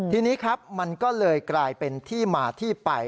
ทีนี้ครับมันก็เลยกลายเป็นที่มาที่ไป